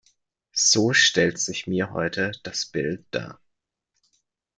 So stellt sich mir heute das Bild dar.